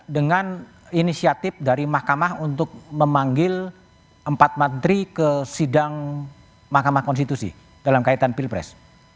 dengan inisiatif dari mahkamah untuk memanggil empat madri ke sidang mahkamah konstitusi dalam kaitan pilpres